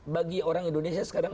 bagi orang indonesia sekarang